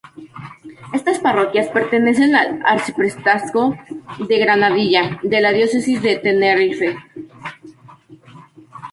Estas parroquias pertenecen al arciprestazgo de Granadilla de la diócesis de Tenerife.